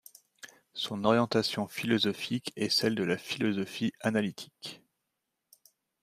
Son orientation philosophique est celle de la philosophie analytique.